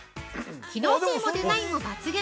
機能性もデザインも抜群！